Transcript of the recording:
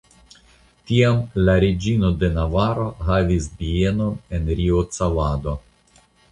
Tiam la reĝino de Navaro havis bienon en Riocavado.